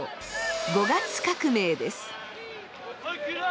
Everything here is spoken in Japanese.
５月革命です。